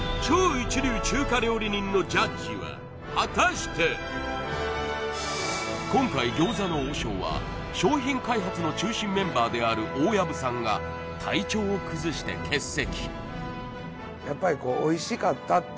一流中華料理人のジャッジは果たして今回餃子の王将は商品開発の中心メンバーである大藪さんが体調を崩して欠席